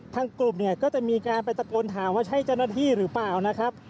กลุ่มเนี่ยก็จะมีการไปตะโกนถามว่าใช่เจ้าหน้าที่หรือเปล่านะครับ